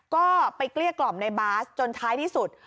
ก็ไปเกลี้ยกล่อมในบาสจนท้ายที่สุด